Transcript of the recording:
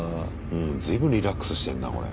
随分リラックスしてんなこれ。